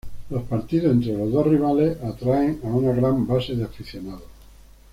Los partidos entre los dos rivales atraer a una gran base de aficionados.